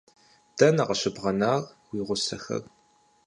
Дэнэ къыщыбгъэнар уи гъусэхэр?